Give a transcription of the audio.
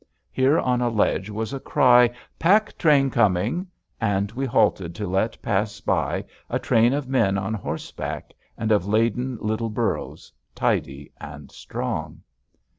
Here on a ledge was a cry, "Pack train coming," and we halted to let pass by a train of men on horseback and of laden little burros, tidy and strong.